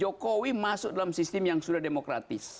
jokowi masuk dalam sistem yang sudah demokratis